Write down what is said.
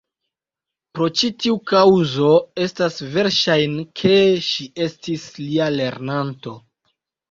Pro ĉi tiu kaŭzo estas verŝajne, ke ŝi estis lia lernanto.